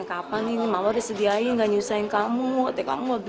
kapan ini mama disediain gak nyusahin kamu katanya kamu beli lagi